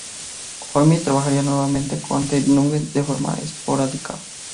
Holmes trabajaría nuevamente con Ted Nugent de forma esporádica.